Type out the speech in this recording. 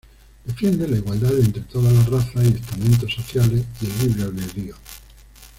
Defiende la igualdad entre todas las razas y estamentos sociales y el libre albedrío.